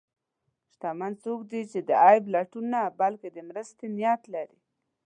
شتمن څوک دی چې د عیب لټون نه، بلکې د مرستې نیت لري.